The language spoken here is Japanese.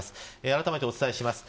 あらためてお伝えします。